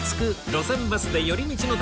路線バスで寄り道の旅』